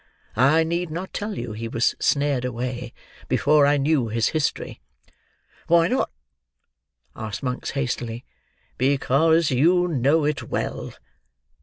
I need not tell you he was snared away before I knew his history—" "Why not?" asked Monks hastily. "Because you know it well."